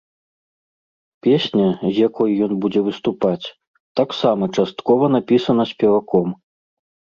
Песня, з якой ён будзе выступаць, таксама часткова напісана спеваком.